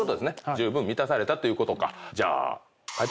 十分満たされたっていうことか。